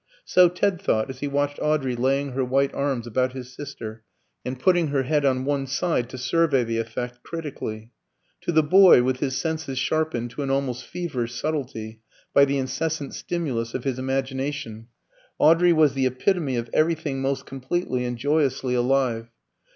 So Ted thought, as he watched Audrey laying her white arms about his sister, and putting her head on one side to survey the effect critically. To the boy, with his senses sharpened to an almost feverish subtilty by the incessant stimulus of his imagination, Audrey was the epitome of everything most completely and joyously alive.